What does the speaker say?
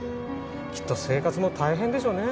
きっと生活も大変でしょうね。